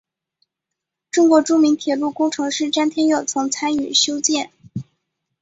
中国著名铁路工程师詹天佑曾参与修建。